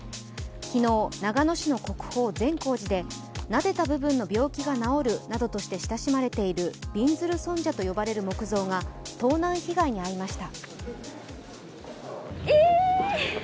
昨日、長野市の国宝・善光寺で、なでた部分の病気が治るなどとして親しまれているびんずる尊者と呼ばれる木像が盗難被害に遭いました。